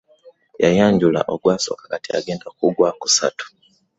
Yannyanjula ogwasooka kati agenda ku gwakusatu.